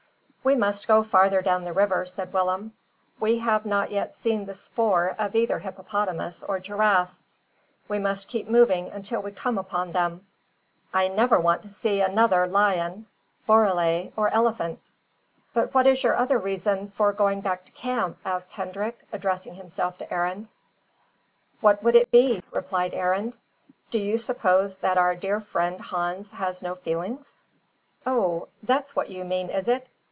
"We must go farther down the river," said Willem. "We have not yet seen the spoor of either hippopotamus or giraffe. We must keep moving until we come upon them. I never want to see another lion, borele, or elephant." "But what is your other reason for going back to camp?" asked Hendrik, addressing himself to Arend. "What would it be?" replied Arend. "Do you suppose that our dear friend Hans has no feelings?" "O, that's what you mean, is it?"